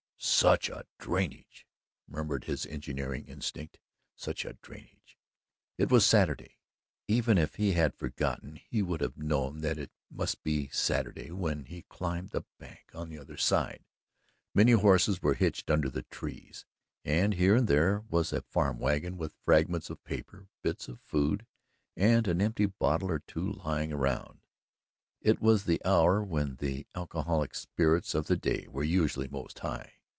"Such a drainage," murmured his engineering instinct. "Such a drainage!" It was Saturday. Even if he had forgotten he would have known that it must be Saturday when he climbed the bank on the other side. Many horses were hitched under the trees, and here and there was a farm wagon with fragments of paper, bits of food and an empty bottle or two lying around. It was the hour when the alcoholic spirits of the day were usually most high.